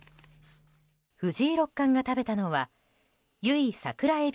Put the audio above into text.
藤井六冠が食べたのは由比桜海老